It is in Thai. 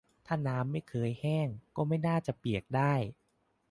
ถ้าน้ำไม่เคยแห้ง ก็ไม่น่าจะเปียกได้